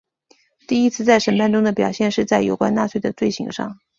第一次在审判中的表现是在有关纳粹的罪行上。